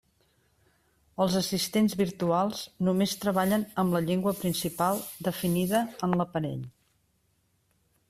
Els assistents virtuals només treballen amb la llengua principal definida en l'aparell.